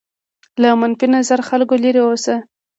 له منفي نظره خلکو لرې واوسه.